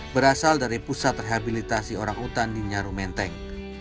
berasal dari pusat rehabilitasi orang utan di nyaru menteng